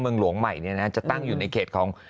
เมืองหลวงใหม่จะตั้งอยู่ในเขตของ